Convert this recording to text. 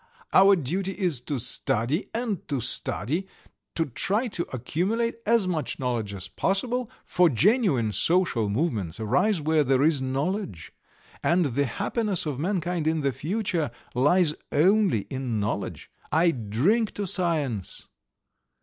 "Our duty is to study and to study, to try to accumulate as much knowledge as possible, for genuine social movements arise where there is knowledge; and the happiness of mankind in the future lies only in knowledge. I drink to science!"